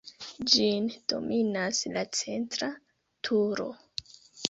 Ĝin dominas la centra turo.